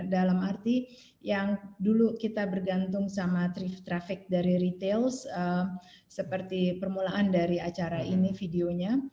dalam arti yang dulu kita bergantung sama traffic dari retail seperti permulaan dari acara ini videonya